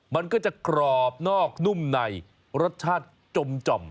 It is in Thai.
มันก็จะกรอบนอกนุ่มในรสชาติจม